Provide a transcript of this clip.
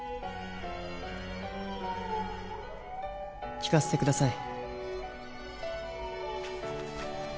聞かせてください。